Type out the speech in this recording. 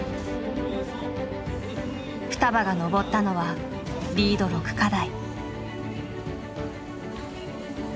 ふたばが登ったのはリード６課題。